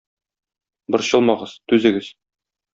Борчылмагыз, түзегез.